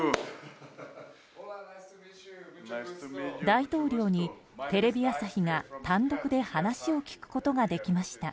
大統領にテレビ朝日が単独で話を聞くことができました。